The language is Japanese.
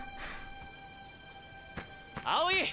青井！